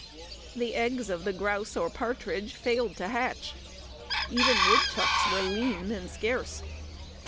The eggs of the grouse or partridge failed to hatch; even woodchucks were lean and scarce.